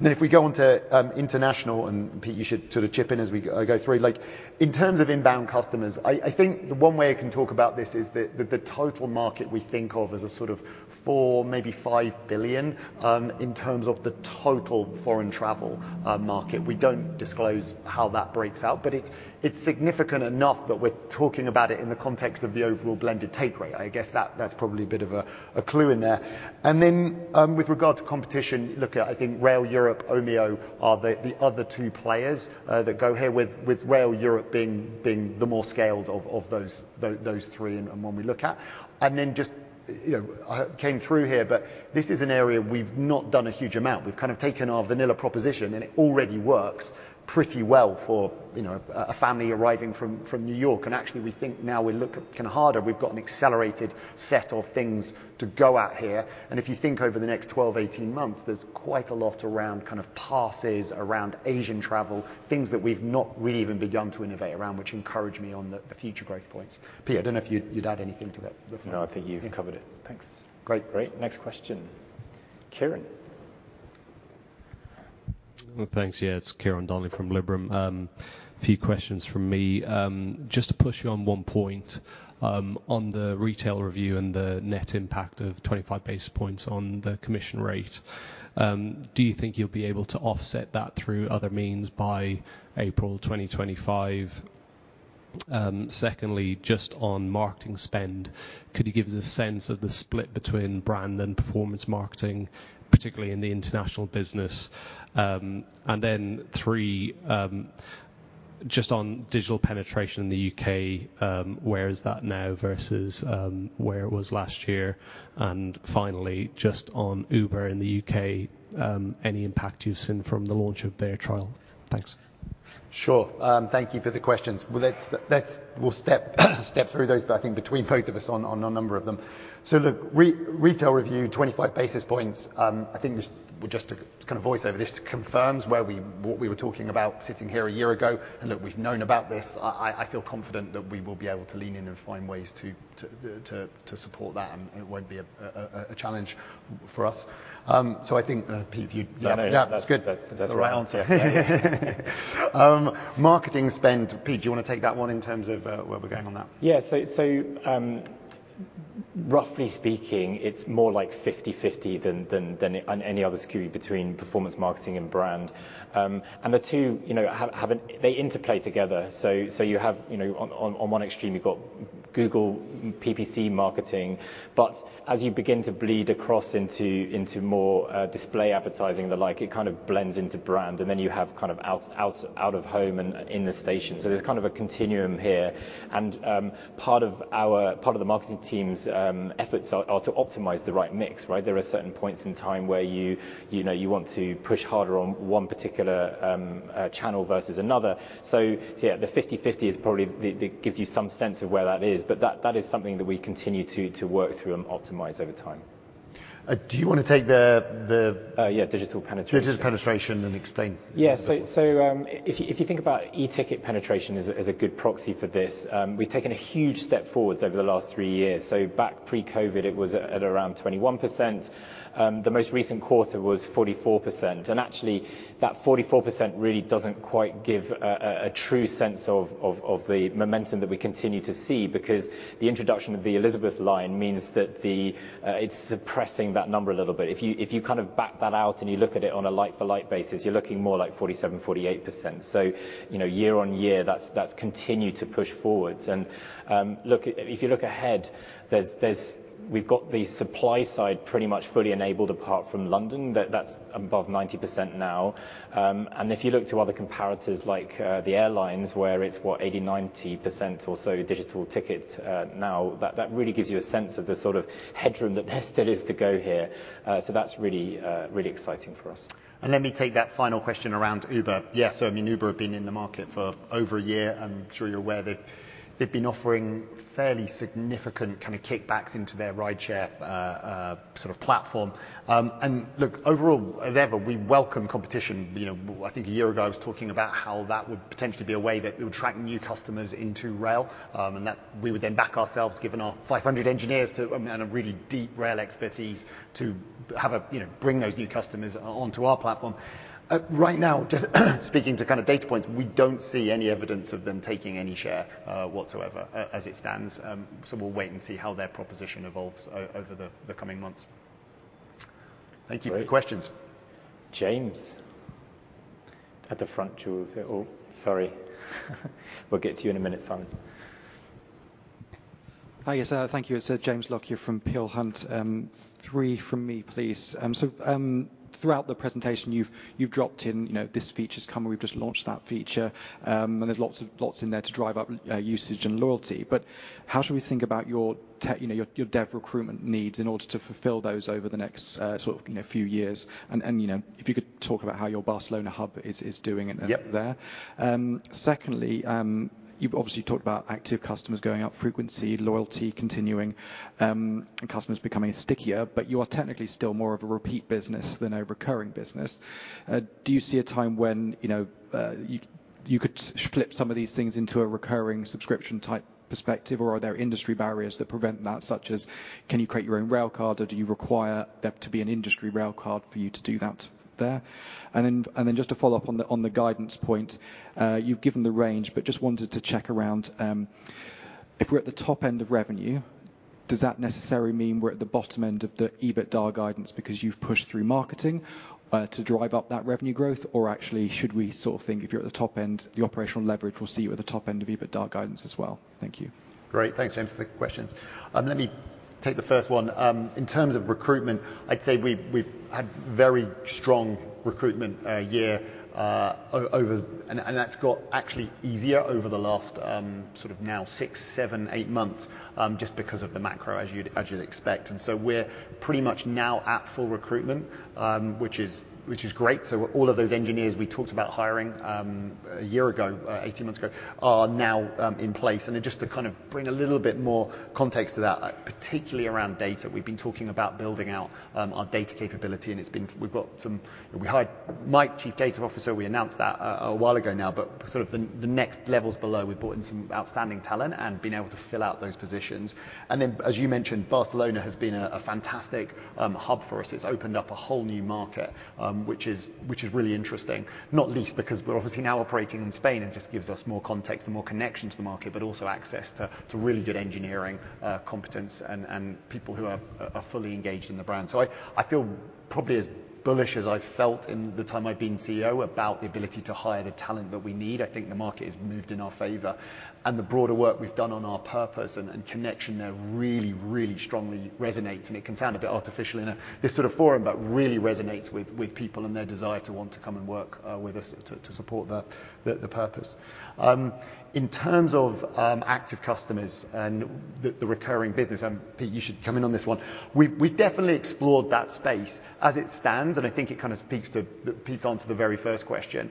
If we go on to international, and Pete, you should sort of chip in as we go through. Like in terms of inbound customers, I think the one way I can talk about this is the total market we think of as a sort of 4, maybe 5 billion in terms of the total foreign travel market. We don't disclose how that breaks out, but it's significant enough that we're talking about it in the context of the overall blended take rate. I guess that's probably a bit of a clue in there. With regard to competition, look, I think Rail Europe, Omio are the other two players that go here with Rail Europe being the more scaled of those three and one we look at. Just, you know, I came through here, but this is an area we've not done a huge amount. We've kind of taken our vanilla proposition. It already works pretty well for, you know, a family arriving from New York. Actually, we think now we look kind of harder, we've got an accelerated set of things to go at here. If you think over the next 12, 18 months, there's quite a lot around kind of passes around Asian travel, things that we've not really even begun to innovate around, which encourage me on the future growth points. Pete, I do know if you'd add anything to that looking? No, I think you've covered it. Thanks. Great. Great. Next question, Ciarán. Well, thanks. Yeah, it's Ciarán Donnelly from Liberum. A few questions from me. Just to push you on one point, on the retail review and the net impact of 25 basis points on the commission rate, do you think you'll be able to offset that through other means by April 2025? Secondly, just on marketing spend, could you give us a sense of the split between brand and performance marketing, particularly in the international business? Then three, just on digital penetration in the UK, where is that now versus, where it was last year? Finally, just on Uber in the UK, any impact you've seen from the launch of their trial? Thanks. Sure. Thank you for the questions. Well, let's, we'll step through those, but I think between both of us on a number of them. Look, re-retail review, 25 basis points, I think just to kind of voice over this to confirms where we, what we were talking about sitting here a year ago, and look, we've known about this. I feel confident that we will be able to lean in and find ways to support that and it won't be a challenge for us. I think, Pete, if you. Yeah. Yeah. That's good. That's right. That's the right answer. Marketing spend. Pete, do you want to take that one in terms of where we're going on that? Yeah. Roughly speaking, it's more like 50/50 than on any other SKU between performance marketing and brand. The two, you know, have they interplay together. You have, you know, on one extreme you've got Google PPC marketing, but as you begin to bleed across into more display advertising and the like, it kind of blends into brand, and then you have kind of out-of-home and in the station. Part of our, part of the marketing team's efforts are to optimize the right mix, right? There are certain points in time where you know, you want to push harder on one particular channel versus another. yeah, the 50/50 is probably the gives you some sense of where that is, but that is something that we continue to work through and optimize over time. Do you wanna take the? Yeah, digital penetration.... digital penetration and explain? Yeah. If you think about eticket penetration as a good proxy for this, we've taken a huge step forwards over the last three years. Back pre-COVID, it was at around 21%. The most recent quarter was 44%. Actually, that 44% really doesn't quite give a true sense of the momentum that we continue to see because the introduction of the Elizabeth Line means that it's suppressing that number a little bit. If you kind of back that out and you look at it on a like-for-like basis, you're looking more like 47%-48%. You know, year-over-year that's continued to push forwards. Look, if you look ahead, we've got the supply side pretty much fully enabled apart from London. That's above 90% now. If you look to other comparators like the airlines where it's, what? 80%, 90% or so digital tickets now, that really gives you a sense of the sort of headroom that there still is to go here. That's really, really exciting for us. Let me take that final question around Uber. I mean, Uber have been in the market for over a year. I'm sure you're aware they've been offering fairly significant kind of kickbacks into their rideshare sort of platform. Look, overall, as ever, we welcome competition. You know, I think a year ago I was talking about how that would potentially be a way that it would attract new customers into rail, and that we would then back ourselves, given our 500 engineers to, and a really deep rail expertise to have a, you know, bring those new customers onto our platform. Right now, just speaking to kind of data points, we don't see any evidence of them taking any share whatsoever as it stands. we'll wait and see how their proposition evolves over the coming months. Thank you for your questions. James. At the front, Jules. Oh, sorry. We'll get to you in a minute, Simon. Hi, yes. Thank you. It's James Lockyer here from Peel Hunt. Three from me, please. Throughout the presentation you've dropped in, you know, this feature's come or we've just launched that feature, and there's lots of, lots in there to drive up usage and loyalty. How should we think about your tech, you know, your dev recruitment needs in order to fulfill those over the next, sort of, you know, few years? You know, if you could talk about how your Barcelona hub is doing? Yep there. Secondly, you've obviously talked about active customers going up, frequency, loyalty continuing, and customers becoming stickier. You are technically still more of a repeat business than a recurring business. Do you see a time when, you know, you could flip some of these things into a recurring subscription type perspective? Are there industry barriers that prevent that, such as can you create your own rail card or do you require there to be an industry rail card for you to do that there? Just to follow up on the guidance point. You've given the range, but just wanted to check around, if we're at the top end of revenue, does that necessarily mean we're at the bottom end of the EBITDA guidance because you've pushed through marketing, to drive up that revenue growth? Actually should we sort of think if you're at the top end, the operational leverage will see you at the top end of EBITDA guidance as well? Thank you. Great. Thanks, James, for the questions. Let me take the first one. In terms of recruitment, I'd say we've had very strong recruitment year over. That's got actually easier over the last sort of now six, seven, eight months, just because of the macro as you'd expect. We're pretty much now at full recruitment, which is great. So all of those engineers we talked about hiring a year ago, 18 months ago, are now in place. Just to kind of bring a little bit more context to that, particularly around data, we've been talking about building out our data capability, and it's been, we've got some. We hired Mike, Chief Data Officer. We announced that a while ago now. Sort of the next levels below, we've brought in some outstanding talent and been able to fill out those positions. Then as you mentioned, Barcelona has been a fantastic hub for us. It's opened up a whole new market, which is really interesting, not least because we're obviously now operating in Spain. It just gives us more context and more connection to the market, but also access to really good engineering competence and people who are fully engaged in the brand. I feel probably as bullish as I've felt in the time I've been CEO about the ability to hire the talent that we need. I think the market has moved in our favor. The broader work we've done on our purpose and connection there really strongly resonates. It can sound a bit artificial in a this sort of forum, but really resonates with people and their desire to want to come and work with us to support the purpose. In terms of active customers and recurring business, and Pete, you should come in on this one, we've definitely explored that space. As it stands, and I think it kind of speaks to, it feeds on to the very first question,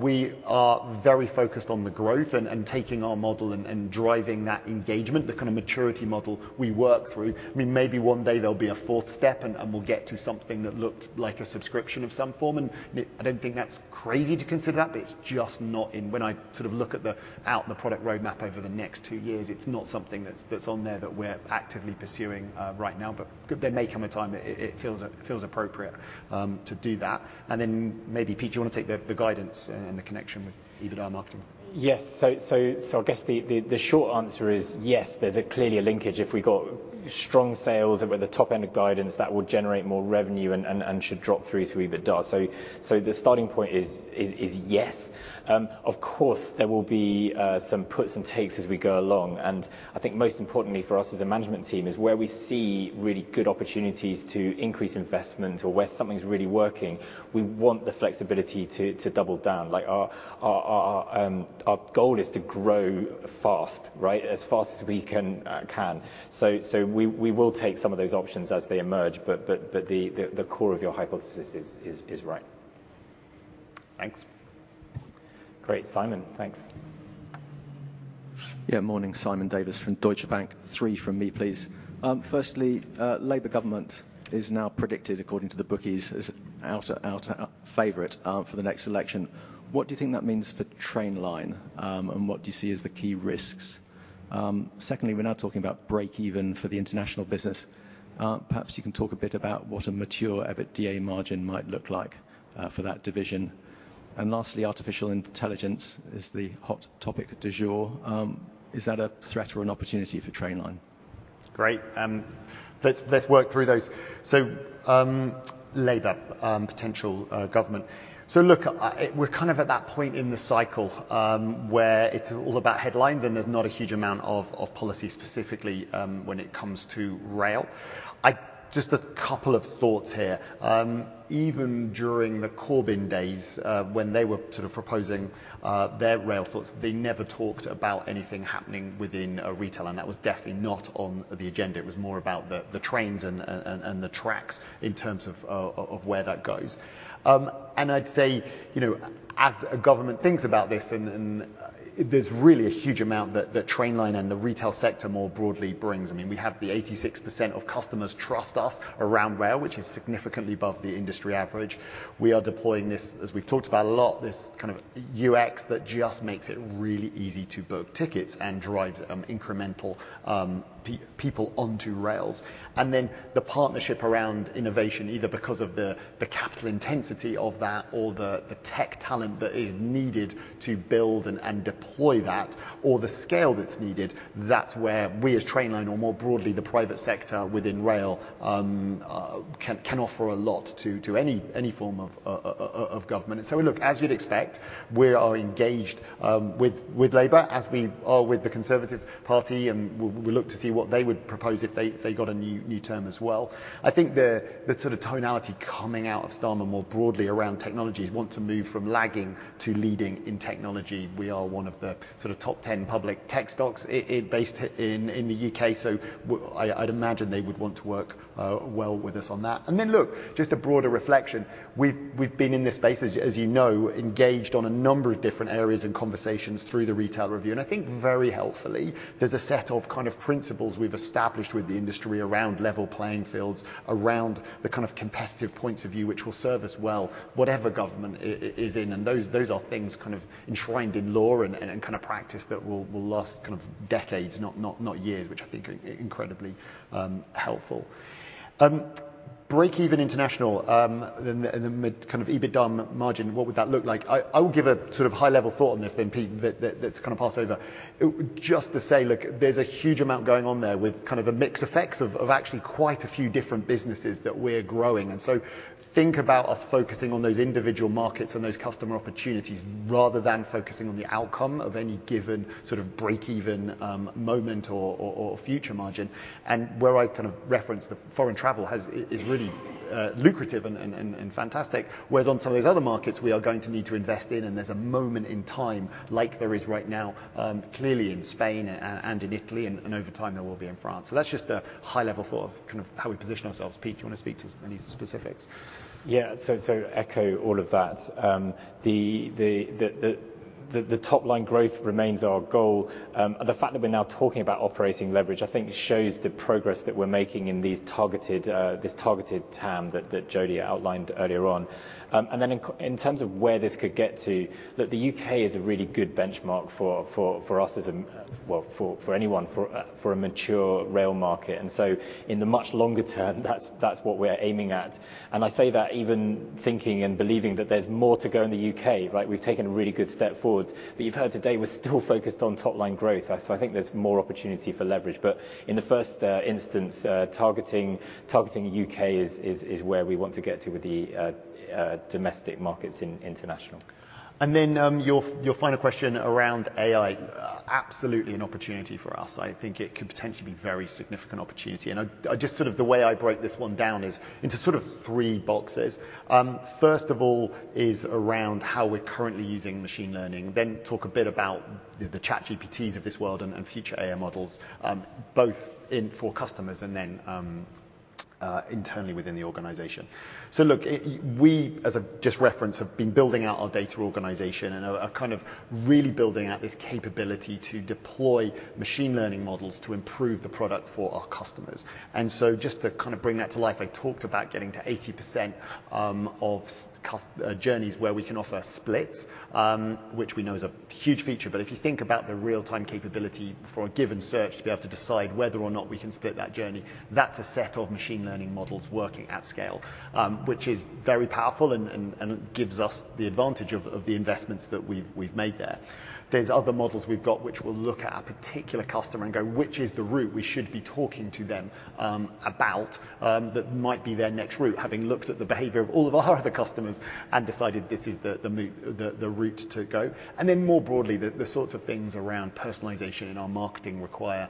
we are very focused on the growth and taking our model and driving that engagement, the kind of maturity model we work through. I mean, maybe one day there'll be a fourth step and we'll get to something that looked like a subscription of some form. I don't think that's crazy to consider that, but it's just not when I sort of look at the out in the product roadmap over the next two years, it's not something that's on there that we're actively pursuing right now. There may come a time it feels appropriate to do that. Then maybe, Pete, do you want to take the guidance and the connection with EBITDA marketing? Yes. I guess the short answer is yes, there's clearly a linkage. If we got strong sales at the top end of guidance, that would generate more revenue and should drop through to EBITDA. The starting point is yes. Of course, there will be some puts and takes as we go along. I think most importantly for us as a management team is where we see really good opportunities to increase investment or where something's really working, we want the flexibility to double down. Like our goal is to grow fast, right? As fast as we can. We will take some of those options as they emerge, but the core of your hypothesis is right. Thanks. Great. Simon, thanks. Yeah, morning. Simon Davies from Deutsche Bank. Three from me, please. Firstly, Labour government is now predicted, according to the bookies, as outer favorite, for the next election. What do you think that means for Trainline, and what do you see as the key risks? Secondly, we're now talking about break-even for the international business. Perhaps you can talk a bit about what a mature EBITDA margin might look like, for that division. Lastly, artificial intelligence is the hot topic du jour. Is that a threat or an opportunity for Trainline? Great. Let's work through those. Labour, potential government. Look, we're kind of at that point in the cycle, where it's all about headlines, and there's not a huge amount of policy specifically, when it comes to rail. Just a couple of thoughts here. Even during the Corbyn days, when they were sort of proposing their rail thoughts, they never talked about anything happening within retail, and that was definitely not on the agenda. It was more about the trains and the tracks in terms of where that goes. I'd say, you know, as a government thinks about this and there's really a huge amount that Trainline and the retail sector more broadly brings. I mean, we have the 86% of customers trust us around rail, which is significantly above the industry average. We are deploying this, as we've talked about a lot, this kind of UX that just makes it really easy to book tickets and drives incremental people onto rails. The partnership around innovation, either because of the capital intensity of that or the tech talent that is needed to build and deploy that or the scale that's needed, that's where we as Trainline or more broadly the private sector within rail can offer a lot to any form of government. Look, as you'd expect, we are engaged, with Labour as we are with the Conservative Party, and we look to see what they would propose if they got a new term as well. I think the sort of tonality coming out of Starmer more broadly around technologies want to move from lagging to leading in technology. We are one of the sort of top 10 public tech stocks in based in the U.K., so I'd imagine they would want to work, well with us on that. Look, just a broader reflection. We've been in this space as you know, engaged on a number of different areas and conversations through the retail review. I think very helpfully, there's a set of kind of principles we've established with the industry around level playing fields, around the kind of competitive points of view which will serve us well, whatever government is in. Those are things kind of enshrined in law and kind of practice that will last kind of decades, not years, which I think are incredibly helpful. Break-even international, then the mid kind of EBITDA margin, what would that look like? I will give a sort of high-level thought on this then, Pete, that's kind of pass over. Just to say, look, there's a huge amount going on there with kind of the mixed effects of actually quite a few different businesses that we're growing. Think about us focusing on those individual markets and those customer opportunities rather than focusing on the outcome of any given sort of break-even moment or future margin. Where I kind of referenced the foreign travel is really lucrative and fantastic. Whereas on some of these other markets, we are going to need to invest in, and there's a moment in time like there is right now, clearly in Spain and in Italy and over time there will be in France. That's just a high level thought of kind of how we position ourselves. Pete, do you want to speak to any specifics? Yeah. Echo all of that. The top-line growth remains our goal. The fact that we're now talking about operating leverage, I think shows the progress that we're making in these targeted this targeted TAM that Jody outlined earlier on. Then in terms of where this could get to, look, the UK is a really good benchmark for us as a, well, for anyone, for a mature rail market. In the much longer term, that's what we're aiming at. I say that even thinking and believing that there's more to go in the UK, right? We've taken a really good step forwards. You've heard today, we're still focused on top-line growth. I think there's more opportunity for leverage. In the first instance, targeting UK is where we want to get to with the domestic markets in international. Your final question around AI, absolutely an opportunity for us. I think it could potentially be very significant opportunity. I just sort of the way I break this one down is into sort of three boxes. First of all is around how we're currently using machine learning, then talk a bit about the ChatGPTs of this world and future AI models, both in for customers and then internally within the organization. Look, we, as I've just referenced, have been building out our data organization and are kind of really building out this capability to deploy machine learning models to improve the product for our customers. Just to kind of bring that to life, I talked about getting to 80% of journeys where we can offer splits, which we know is a huge feature. If you think about the real-time capability for a given search to be able to decide whether or not we can split that journey, that's a set of machine learning models working at scale, which is very powerful and it gives us the advantage of the investments that we've made there. There's other models we've got which will look at a particular customer and go, "Which is the route we should be talking to them about that might be their next route," having looked at the behavior of all of our other customers and decided this is the route to go. More broadly, the sorts of things around personalization in our marketing require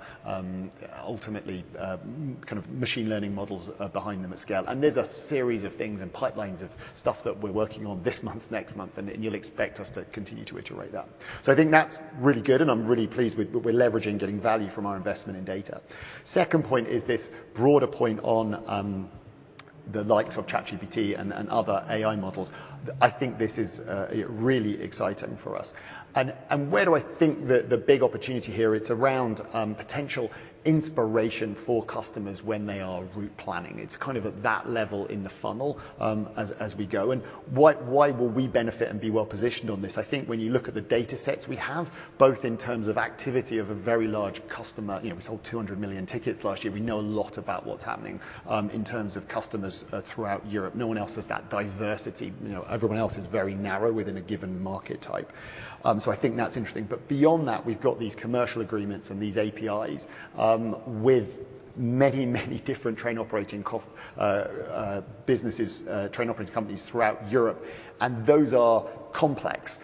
ultimately kind of machine learning models behind them at scale. There's a series of things and pipelines of stuff that we're working on this month, next month, and you'll expect us to continue to iterate that. I think that's really good, and I'm really pleased with that we're leveraging getting value from our investment in data. Second point is this broader point on. The likes of ChatGPT and other AI models, I think this is really exciting for us. Where do I think the big opportunity here, it's around potential inspiration for customers when they are route planning. It's kind of at that level in the funnel as we go. Why will we benefit and be well positioned on this? I think when you look at the datasets we have, both in terms of activity of a very large customer, you know, we sold 200 million tickets last year, we know a lot about what's happening in terms of customers throughout Europe. No one else has that diversity. You know, everyone else is very narrow within a given market type. I think that's interesting. Beyond that, we've got these commercial agreements and these APIs with many, many different train operating businesses, train operating companies throughout Europe, and those are complex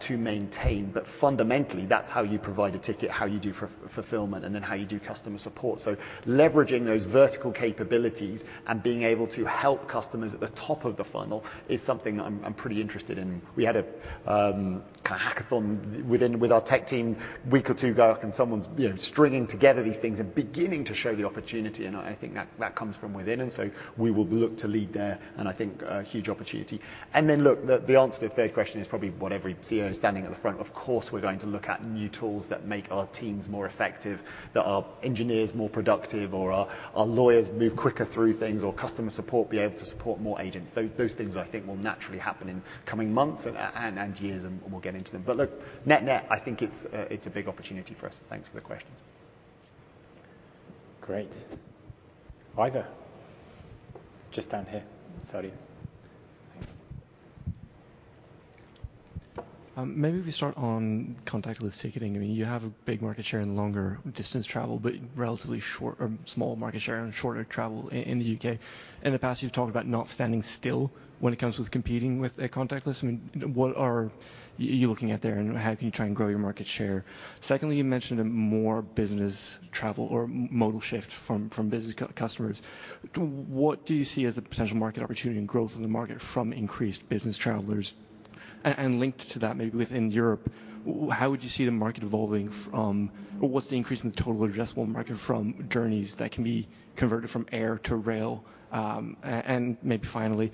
to maintain. Fundamentally, that's how you provide a ticket, how you do fulfillment, and then how you do customer support. Leveraging those vertical capabilities and being able to help customers at the top of the funnel is something I'm pretty interested in. We had a kind of hackathon with our tech team a week or two ago, and someone's, you know, stringing together these things and beginning to show the opportunity, and I think that comes from within, and so we will look to lead there. I think a huge opportunity. Look, the answer to the third question is probably what every CEO standing at the front, of course, we're going to look at new tools that make our teams more effective, that our engineers more productive or our lawyers move quicker through things or customer support be able to support more agents. Those things I think will naturally happen in coming months and years, and we'll get into them. Look, net-net, I think it's a big opportunity for us. Thanks for the questions. Great. Either. Just down here. Sorry. Maybe if we start on contactless ticketing. I mean, you have a big market share in longer distance travel, but relatively short or small market share in shorter travel in the U.K. In the past, you've talked about not standing still when it comes with competing with a contactless. I mean, what are you looking at there, and how can you try and grow your market share? Secondly, you mentioned more business travel or modal shift from business customers. What do you see as the potential market opportunity and growth in the market from increased business travelers? Linked to that, maybe within Europe, how would you see the market evolving from or what's the increase in the total addressable market from journeys that can be converted from air to rail? And maybe finally,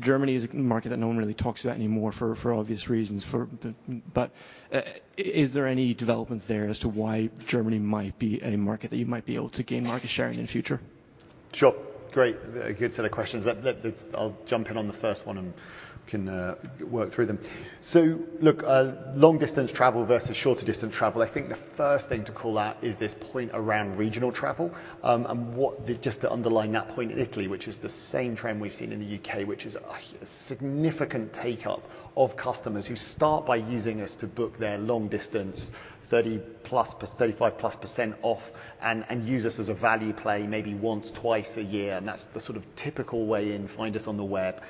Germany is a market that no one really talks about anymore for obvious reasons for... Is there any developments there as to why Germany might be a market that you might be able to gain market share in the future? Sure. Great. A good set of questions. That I'll jump in on the first one and can work through them. Long distance travel versus shorter distance travel, I think the first thing to call out is this point around regional travel. And just to underline that point, Italy, which is the same trend we've seen in the UK, which is a significant take-up of customers who start by using us to book their long distance 30 plus, 35 plus % off and use us as a value play maybe once, twice a year. That's the sort of typical way in, find us on the web.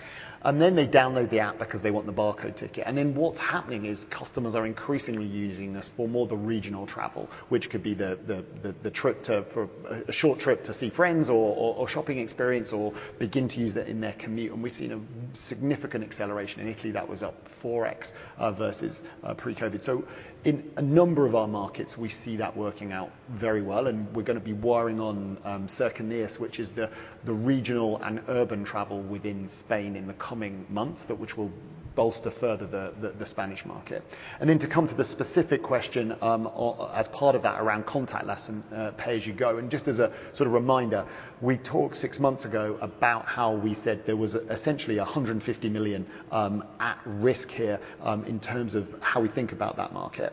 They download the app because they want the barcode ticket. What's happening is customers are increasingly using us for more of the regional travel, which could be for a short trip to see friends or a shopping experience or begin to use it in their commute. We've seen a significant acceleration in Italy that was up 4x versus pre-COVID. In a number of our markets, we see that working out very well, and we're going live on Cercanías, which is the regional and urban travel within Spain in the coming months, that which will bolster further the Spanish market. To come to the specific question, as part of that around contactless and pay-as-you-go. Just as a sort of reminder, we talked six months ago about how we said there was essentially 150 million at risk here in terms of how we think about that market.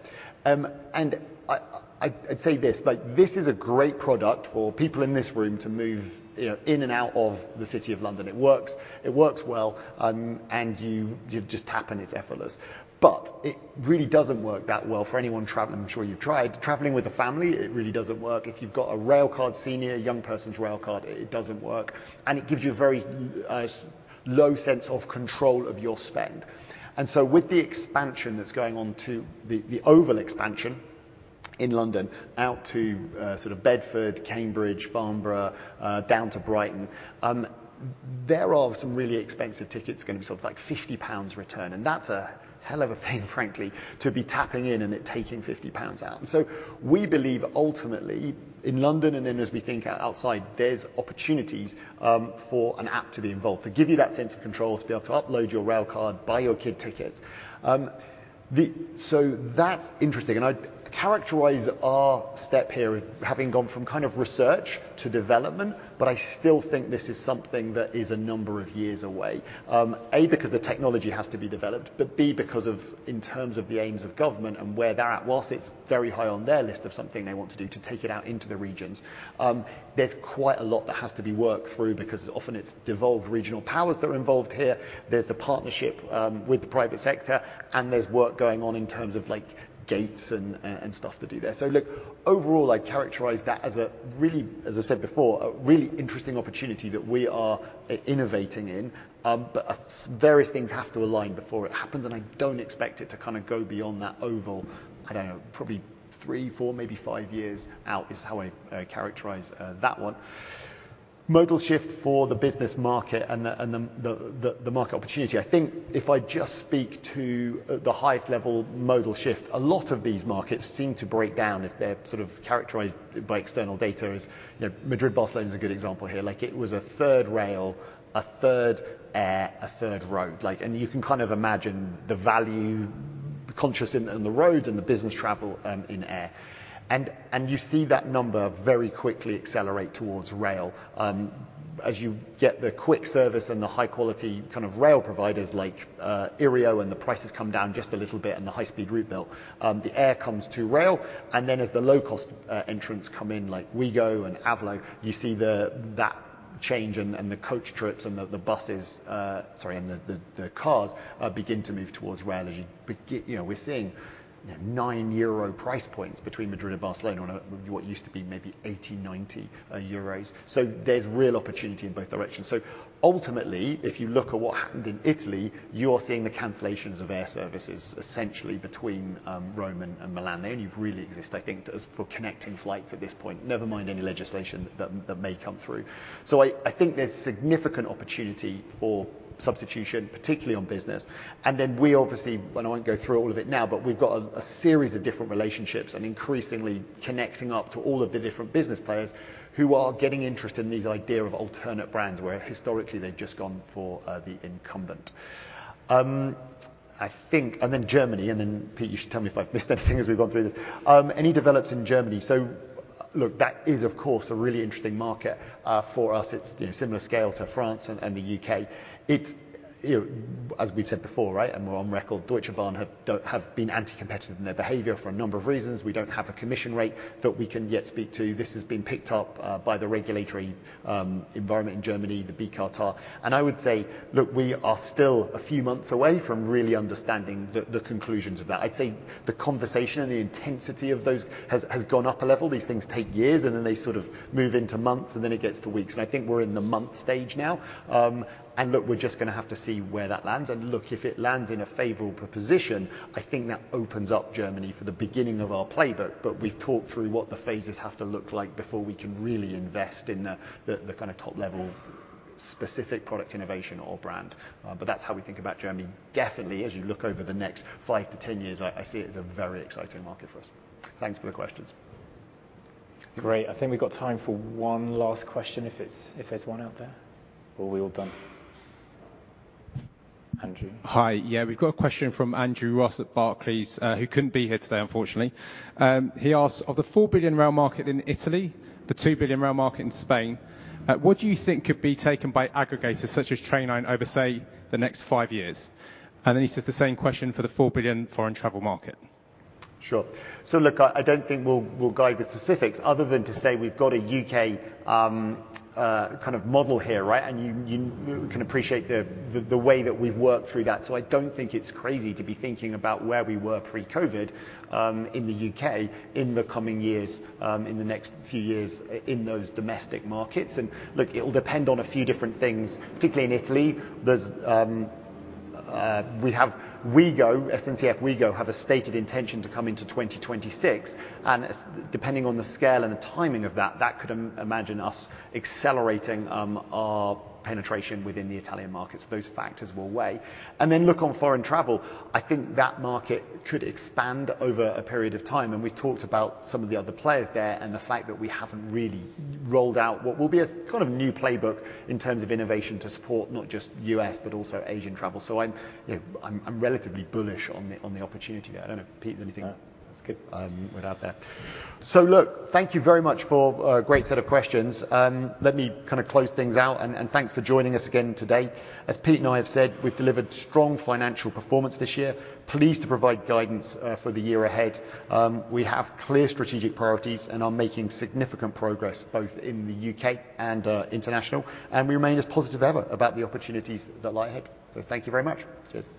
I'd say this, like this is a great product for people in this room to move, you know, in and out of the City of London. It works, it works well, and you just tap and it's effortless. It really doesn't work that well for anyone traveling. I'm sure you've tried. Traveling with a family, it really doesn't work. If you've got a Railcard senior, young person's Railcard, it doesn't work. It gives you a very low sense of control of your spend. With the expansion that's going on to the Project Oval expansion in London out to sort of Bedford, Cambridge, Farnborough, down to Brighton, there are some really expensive tickets gonna be sort of like 50 pounds return, and that's a hell of a thing, frankly, to be tapping in and it taking 50 pounds out. We believe ultimately in London and then as we think outside, there's opportunities for an app to be involved, to give you that sense of control, to be able to upload your rail card, buy your kid tickets. That's interesting. I'd characterize our step here as having gone from kind of research to development, but I still think this is something that is a number of years away. A, because the technology has to be developed, but B, because of in terms of the aims of government and where they're at. Whilst it's very high on their list of something they want to do to take it out into the regions, there's quite a lot that has to be worked through because often it's devolved regional powers that are involved here. There's the partnership with the private sector, and there's work going on in terms of like gates and stuff to do there. Look, overall, I characterize that as a really, as I said before, a really interesting opportunity that we are innovating in. Various things have to align before it happens, and I don't expect it to kind of go beyond that Project Oval, I don't know, probably three, four, maybe five years out is how I characterize that one. Modal shift for the business market and the market opportunity. I think if I just speak to the highest level modal shift, a lot of these markets seem to break down if they're sort of characterized by external data as... You know, Madrid, Barcelona is a good example here. Like, it was 1/3 rail, 1/3 air, 1/3 road. Like, you can kind of imagine the value, the conscious in the roads and the business travel in air. You see that number very quickly accelerate towards rail. As you get the quick service and the high quality kind of rail providers like iryo, and the prices come down just a little bit and the high speed route built, the air comes to rail, and then as the low-cost entrants come in, like Ouigo and Avlo, you see that change and the, and the coach trips and the buses, sorry, and the, the cars begin to move towards rail. You know, we're seeing, you know, 9 euro price points between Madrid and Barcelona on what used to be maybe 80, 90 euros. There's real opportunity in both directions. Ultimately, if you look at what happened in Italy, you are seeing the cancellations of air services essentially between Rome and Milan. They only really exist, I think, as for connecting flights at this point. Never mind any legislation that may come through. I think there's significant opportunity for substitution, particularly on business. Then we obviously, and I won't go through all of it now, but we've got a series of different relationships and increasingly connecting up to all of the different business players who are getting interested in this idea of alternate brands where historically they've just gone for the incumbent. Then Germany, and then, Pete, you should tell me if I've missed anything as we've gone through this. Any develops in Germany. Look, that is of course a really interesting market for us. It's, you know, similar scale to France and the UK. It's, you know, as we've said before, right? We're on record, Deutsche Bahn have been anti-competitive in their behavior for a number of reasons. We don't have a commission rate that we can yet speak to. This has been picked up by the regulatory environment in Germany, the BKartA. I would say, look, we are still a few months away from really understanding the conclusions of that. I'd say the conversation and the intensity of those has gone up a level. These things take years, and then they sort of move into months, and then it gets to weeks. I think we're in the month stage now. Look, we're just gonna have to see where that lands. Look, if it lands in a favorable position, I think that opens up Germany for the beginning of our playbook. We've talked through what the phases have to look like before we can really invest in the kinda top-level specific product innovation or brand. That's how we think about Germany. Definitely, as you look over the next five to 10 years, I see it as a very exciting market for us. Thanks for the questions. Great. I think we've got time for one last question if there's one out there, or are we all done? Andrew? Hi. Yeah. We've got a question from Andrew Ross at Barclays, who couldn't be here today, unfortunately. He asked, "Of the 4 billion rail market in Italy, the 2 billion rail market in Spain, what do you think could be taken by aggregators such as Trainline over, say, the next five years?" He says the same question for the 4 billion foreign travel market. Sure. Look, I don't think we'll guide with specifics other than to say we've got a UK kind of model here, right. You can appreciate the way that we've worked through that. I don't think it's crazy to be thinking about where we were pre-COVID in the UK in the coming years in the next few years in those domestic markets. Look, it'll depend on a few different things, particularly in Italy. There's we have Ouigo, SNCF Ouigo have a stated intention to come into 2026. Depending on the scale and the timing of that could imagine us accelerating our penetration within the Italian markets. Those factors will weigh. Then look on foreign travel. I think that market could expand over a period of time, and we've talked about some of the other players there and the fact that we haven't really rolled out what will be a kind of new playbook in terms of innovation to support not just U.S., but also Asian travel. I'm, you know, I'm relatively bullish on the, on the opportunity there. I don't know, Pete, anything. No. That's good. Without that. Look, thank you very much for a great set of questions. Let me kinda close things out and thanks for joining us again today. As Pete and I have said, we've delivered strong financial performance this year. Pleased to provide guidance for the year ahead. We have clear strategic priorities and are making significant progress both in the UK and international. We remain as positive ever about the opportunities that lie ahead. Thank you very much. Cheers.